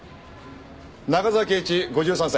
中沢啓一５３歳。